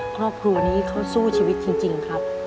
ครอบครัวนี้เขาสู้ชีวิตจริงครับ